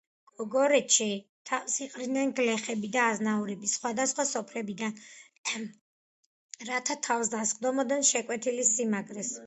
გოგორეთში თავს იყრიდნენ გლეხები და აზნაურები სხვადასხვა სოფლებიდან, რათა თავს დასხმოდნენ შეკვეთილის სიმაგრეს.